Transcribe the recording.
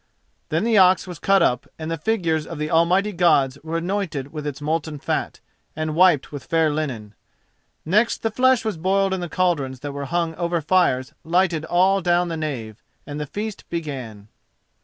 Then the ox was cut up, and the figures of the almighty Gods were anointed with its molten fat and wiped with fair linen. Next the flesh was boiled in the cauldrons that were hung over fires lighted all down the nave, and the feast began.